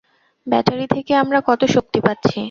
Battery থেকে আমরা কত শক্তি পাচ্ছি?